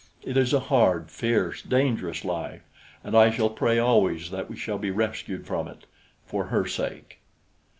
It is a hard, fierce, dangerous life, and I shall pray always that we shall be rescued from it for her sake.